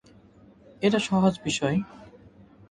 এটা সহজ বিষয়।